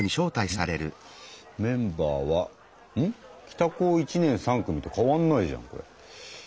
「北高１年３組」と変わんないじゃんこれ。